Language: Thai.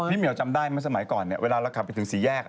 พี่เหมียวจำได้เมื่อสมัยก่อนเวลาเราขับไปถึงศรีแยก